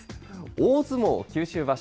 大相撲九州場所